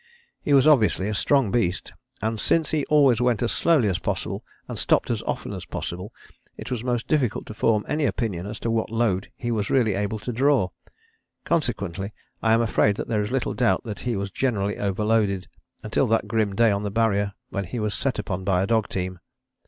He was obviously a strong beast and, since he always went as slowly as possible and stopped as often as possible it was most difficult to form any opinion as to what load he was really able to draw. Consequently I am afraid there is little doubt that he was generally overloaded until that grim day on the Barrier when he was set upon by a dog team.